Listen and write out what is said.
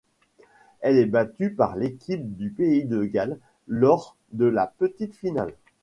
Elle est battue par l'équipe du pays de Galles lors de la petite finale.